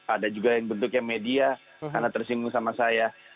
ada juga yang bentuknya media karena tersinggung sama saya